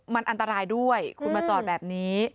มันอันตรายด้วยคุณมาจอดแบบนี้